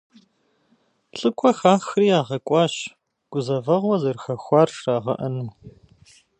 ЛӀыкӀуэ хахри ягъэкӀуащ гузэвэгъуэ зэрыхэхуар жрагъэӀэну.